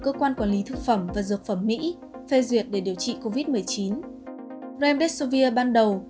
cơ quan quản lý thực phẩm và dược phẩm mỹ phê duyệt để điều trị covid một mươi chín rambes sovir ban đầu